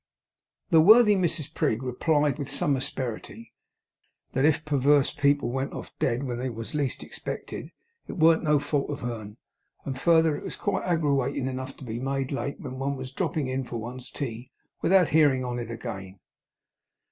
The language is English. The worthy Mrs Prig replied, with some asperity, 'that if perwerse people went off dead, when they was least expected, it warn't no fault of her'n.' And further, 'that it was quite aggrawation enough to be made late when one was dropping for one's tea, without hearing on it again.